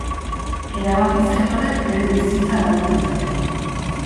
Erabaki zail horrek bere bizitza aldatu dezake.